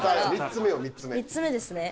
３つ目３つ目ですね